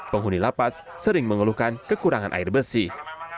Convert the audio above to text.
penghuni lapas sering mengeluhkan kekurangan air bersih